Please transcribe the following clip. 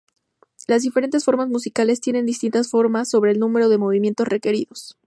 Las diferentes formas musicales tienen distintas normas sobre el número de movimientos requeridos.